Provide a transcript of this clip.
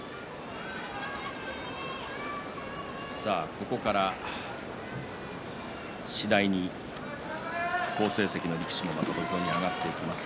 ここから次第に好成績の力士が土俵に上がってきます。